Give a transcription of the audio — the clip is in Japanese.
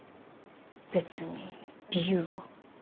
別に理由は。